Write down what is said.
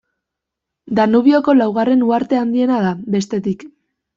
Danubioko laugarren uharte handiena da, bestetik.